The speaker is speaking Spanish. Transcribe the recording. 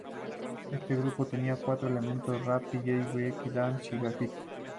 Este grupo tenía cuatro elementos rap, dj, break dance y grafiti.